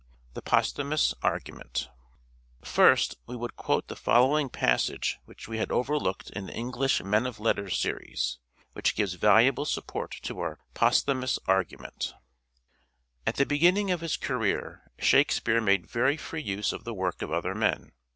THE POSTHUMOUS ARGUMENT First, we would quote the following passage which we had overlooked in the English Men of Letters series, which gives valuable support to our " Posthumous " argument :'' At the beginning of his career Shakespeare made very free use of the work of other men.